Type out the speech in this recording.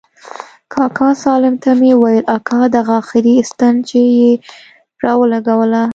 کاکا سالم ته مې وويل اكا دغه اخري ستن چې يې راولګوله.